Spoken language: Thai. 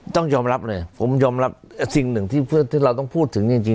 ต้องยอมรับเลยผมยอมรับสิ่งหนึ่งที่เราต้องพูดถึงจริง